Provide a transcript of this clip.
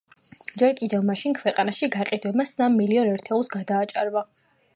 ჯერ კიდევ მაშინ, ქვეყანაში გაყიდვებმა სამ მილიონ ერთეულს გადააჭარბა.